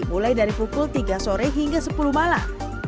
mulai dari pukul tiga sore hingga sepuluh malam